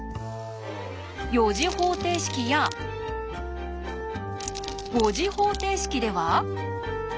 ４次方程式や５次方程式では？